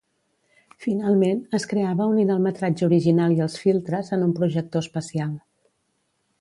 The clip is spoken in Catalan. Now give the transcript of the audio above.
Finalment es creava unint el metratge original i els filtres en un projector especial.